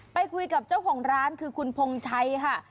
ไปคุยกับเจ้าของร้านคือคุณพงชัยค่ะ